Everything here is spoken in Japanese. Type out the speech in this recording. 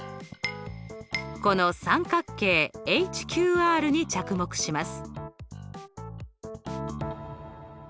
この三角形ＨＱＲに着目します。